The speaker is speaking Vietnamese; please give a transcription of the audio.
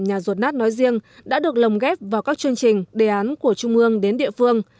nhà giọt nát nói riêng đã được lồng ghép vào các chương trình đề án của trung ương đến địa phương